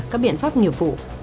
các biện pháp nghiệp vụ